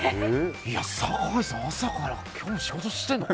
いや、酒井さん朝から今日仕事しているの？